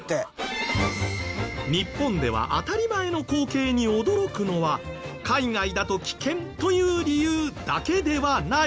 日本では当たり前の光景に驚くのは海外だと危険という理由だけではない。